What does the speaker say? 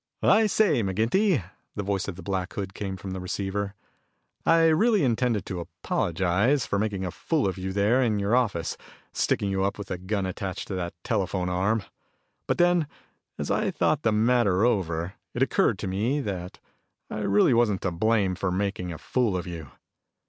"I say, McGinty," the voice of the Black Hood came from the receiver, "I really intended to apologize for making a fool of you there in your office, sticking you up with a gun attached to that telephone arm. But then, as I thought the matter over, it occurred to me that I really wasn't to blame for making a fool of you.